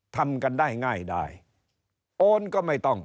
ทำกันได้ง่ายได้